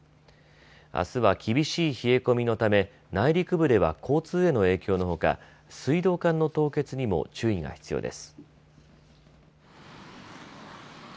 あすは厳しい冷え込みのため内陸部では交通への影響のほか水道管の凍結にも注意が必要です。